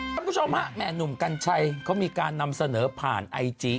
คุณผู้ชมฮะแม่หนุ่มกัญชัยเขามีการนำเสนอผ่านไอจี